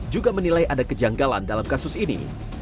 juga menilai ada kejanggalan dalam kasus ini